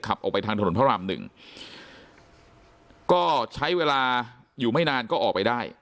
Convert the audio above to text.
ออกไปทางถนนพระรามหนึ่งก็ใช้เวลาอยู่ไม่นานก็ออกไปได้